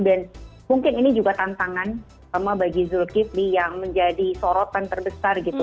dan mungkin ini juga tantangan sama bagi zulkifli yang menjadi sorotan terbesar gitu